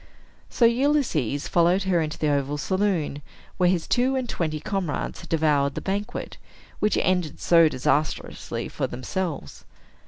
So Ulysses followed her into the oval saloon, where his two and twenty comrades had devoured the banquet, which ended so disastrously for themselves.